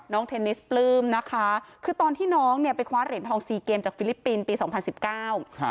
เทนนิสปลื้มนะคะคือตอนที่น้องเนี่ยไปคว้าเหรียญทองสี่เกมจากฟิลิปปินส์ปีสองพันสิบเก้าครับ